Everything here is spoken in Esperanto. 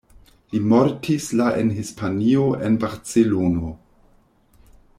Li mortis la en Hispanio en Barcelono.